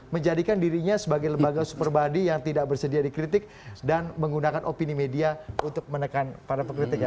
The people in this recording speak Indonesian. menjadikan dirinya sebagai lembaga super body yang tidak bersedia dikritik dan menggunakan opini media untuk menekan para pengkritiknya